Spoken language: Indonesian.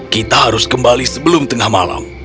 kita harus kembali sebelum tengah malam